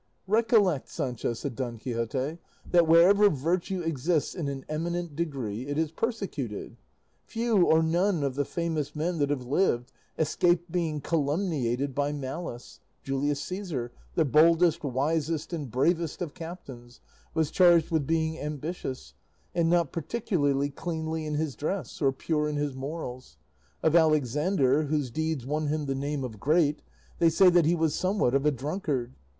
"Recollect, Sancho," said Don Quixote, "that wherever virtue exists in an eminent degree it is persecuted. Few or none of the famous men that have lived escaped being calumniated by malice. Julius Caesar, the boldest, wisest, and bravest of captains, was charged with being ambitious, and not particularly cleanly in his dress, or pure in his morals. Of Alexander, whose deeds won him the name of Great, they say that he was somewhat of a drunkard.